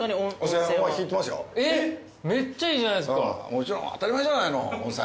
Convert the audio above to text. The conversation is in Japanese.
もちろん当たり前じゃないの温泉。